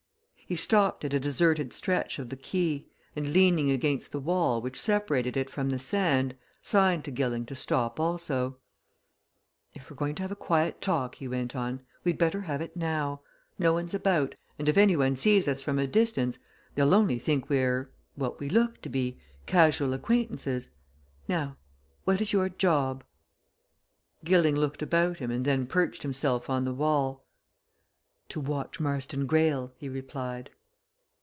He stopped at a deserted stretch of the quay, and leaning against the wall which separated it from the sand, signed to Gilling to stop also. "If we're going to have a quiet talk," he went on, "we'd better have it now no one's about, and if any one sees us from a distance they'll only think we're, what we look to be casual acquaintances. Now what is your job?" Gilling looked about him and then perched himself on the wall. "To watch Marston Greyle," he replied.